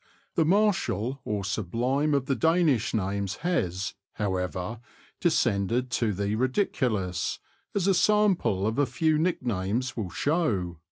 The martial or sublime of the Danish names has, however, descended to the ridiculous, as a sample of a few nicknames will show.